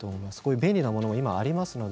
便利なものがあります。